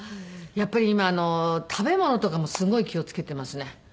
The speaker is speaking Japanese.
やっぱり今食べ物とかもすごい気を付けていますね。